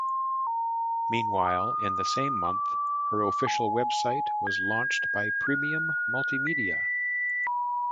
Meanwhile, in the same month, her official website was launched by Premium Multimedia.